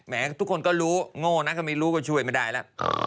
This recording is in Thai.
ทุกคนก็รู้โง่นะก็ไม่รู้ก็ช่วยไม่ได้แล้ว